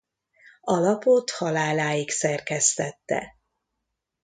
A lapot haláláig szerkesztette.